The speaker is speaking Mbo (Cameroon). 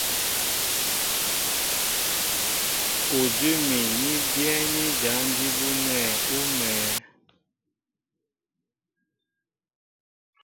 Udʉ́ úmi ní byɛ́ɛ́ní jǎn jí bú nɛ̂ ú mɛ̄ɛ̄.